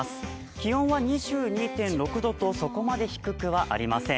気温は２２．６度と、そこまで低くはありません。